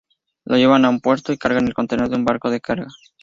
Lo llevan a un puerto, y cargan el contenedor en un barco de carga.